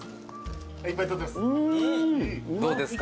・どうですか？